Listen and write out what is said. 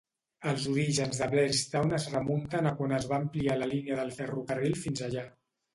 Els orígens de Blairstown es remunten a quan es va ampliar la línia del ferrocarril fins allà.